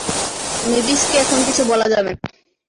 মেভিসকে এখন কিছু বলা যাবে না।